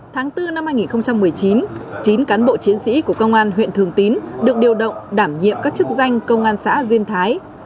tháng bốn năm hai nghìn một mươi chín chín cán bộ chiến sĩ của công an huyện thường tín được điều động đảm nhiệm các chức danh công an xã duyên thái